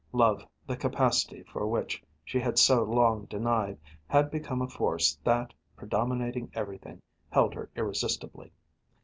Love, the capacity for which she had so long denied, had become a force that, predominating everything, held her irresistibly.